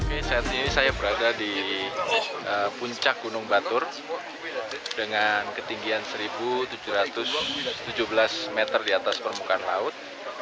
ini saat ini saya berada di puncak gunung batur dengan ketinggian satu tujuh ratus tujuh belas meter di atas permukaan laut